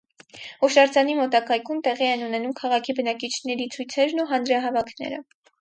Հուշարձանի մոտակայքում տեղի են ունենում քաղաքի բնակիչների ցույցերն ու հանրահավաքները։